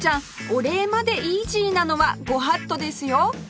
お礼までイージーなのは御法度ですよ！